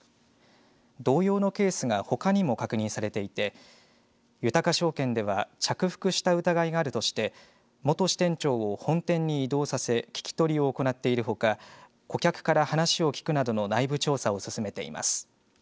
同様のケースがほかにも確認されていて豊証券では着服した疑いがあるとして元支店長を本店に異動させ聞き取りを行っているほか顧客から話を聞くなどの内部調査を進めています。